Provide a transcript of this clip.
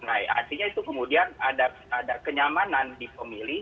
nah artinya itu kemudian ada kenyamanan di pemilih